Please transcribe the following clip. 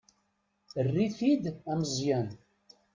Err-it d ameẓẓyan.